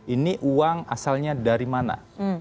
ini uang asalnya dari mana